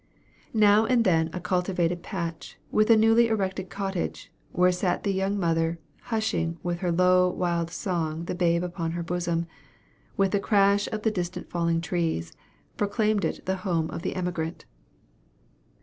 Now and then a cultivated patch, with a newly erected cottage, where sat the young mother, hushing with her low wild song the babe upon her bosom, with the crash of the distant falling trees, proclaimed it the home of the emigrant.